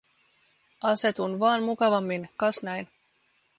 Asetun vaan mukavammin, kas näin.